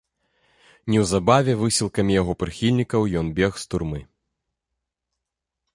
Неўзабаве высілкамі яго прыхільнікаў ён бег з турмы.